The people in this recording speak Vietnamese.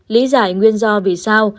lý giải nguyên do vì sao